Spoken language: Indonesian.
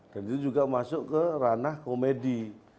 dan itu juga masuk ke ranah komedi